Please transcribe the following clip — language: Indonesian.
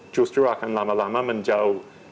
justru akan lama lama menjauh